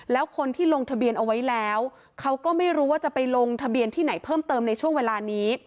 แล้วคนที่ลงทะเบียนเอาไว้แล้วเขาก็ไม่รู้ว่าจะไปลงทะเบียนที่ไหนเพิ่มเติมในช่วงเวลานี้